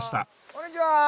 こんにちは。